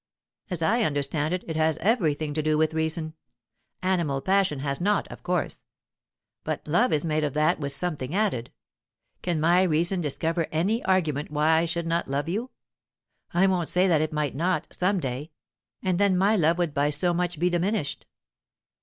"As I understand it, it has everything to do with reason. Animal passion has not, of course; but love is made of that with something added. Can my reason discover any argument why I should not love you? I won't say that it might not, some day, and then my love would by so much be diminished."